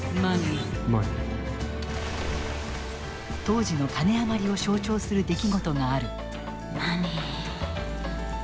当時の金余りを象徴する出来事がある。